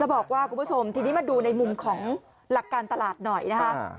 บอกว่าคุณผู้ชมทีนี้มาดูในมุมของหลักการตลาดหน่อยนะคะ